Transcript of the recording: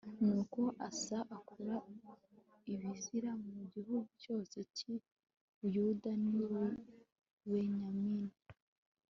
Nuko Asa akura ibizira mu gihugu cyose cyi Buyuda ni Bubenyamini